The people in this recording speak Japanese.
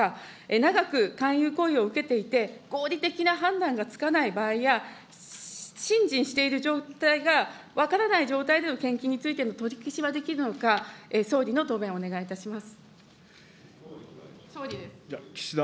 長く勧誘行為を受けていて、合理的な判断がつかない場合や、信心している状態が分からない状態での献金についての取り消しはできるのか、総理の答弁をお願いいたします。